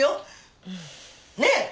ねえ？